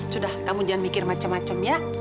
sudah kamu jangan mikir macem macem ya